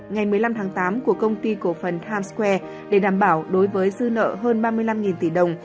ngày một mươi năm tháng tám của công ty cổ phần times square để đảm bảo đối với dư nợ hơn ba mươi năm tỷ đồng